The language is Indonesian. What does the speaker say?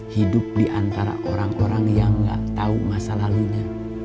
hidup di antara orang orang yang gak tahu masa lalunya